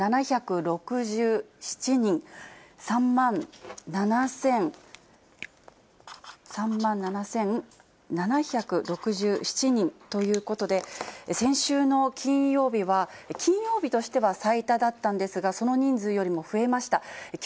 ３万７７６７人、３万７７６７人ということで、先週の金曜日は、金曜日としては最多だったんですが、その人数よりも増えました。